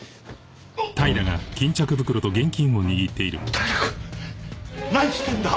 平くん何してんだ！